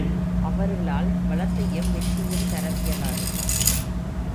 அவர்களால் வளத்தையும் வெற்றியையும் தரவியலாது.